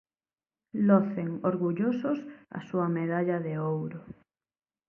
Locen orgullosos a súa medalla de ouro.